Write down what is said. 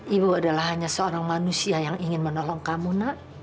ibu adalah hanya seorang manusia yang ingin menolong kamu nak